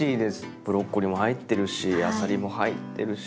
ブロッコリーも入ってるしあさりも入ってるし。